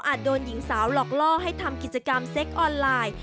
โดนหญิงสาวหลอกล่อให้ทำกิจกรรมเซ็กออนไลน์